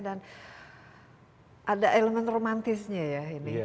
dan ada elemen romantisnya ya ini